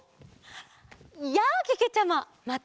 やあけけちゃま！